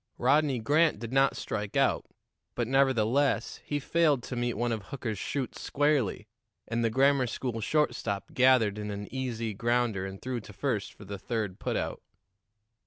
Rodney Grant did not strike out, but, nevertheless, he failed to meet one of Hooker's shoots squarely, and the grammar school shortstop gathered in an easy grounder and threw to first for the third put out.